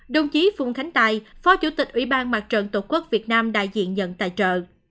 đồng chí phung khánh tài phó chủ tịch ủy ban mặt trận tổ quốc việt nam đại diện nhận tài trợ